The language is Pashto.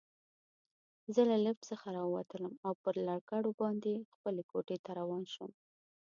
زه له لفټ څخه راووتلم او پر لکړو باندې خپلې کوټې ته روان شوم.